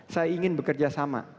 saya ingin bekerja sama